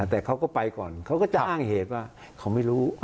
แต่เขาก็ไปก่อนเขาก็จะอ้างเหตุว่าเขาไม่รู้